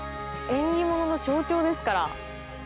縁起物の象徴ですから。